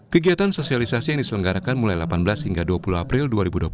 kegiatan sosialisasi yang diselenggarakan mulai delapan belas hingga dua puluh april dua ribu dua puluh satu